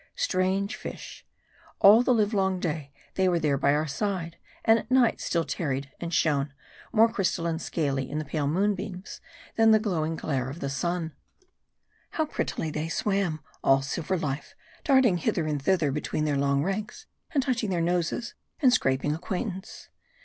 Strange fish ! All the live long day, they were there by our side ; and at night still tarried and shone ; more crystal and scaly in the pale moonbeams, than in the golden glare of the sun. How prettily they swim ; all silver life ; darting hither and thither between their long ranks, and touching their noses, and scraping acquaintance.